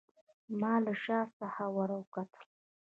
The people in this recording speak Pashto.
ما له شا څخه وروکتل.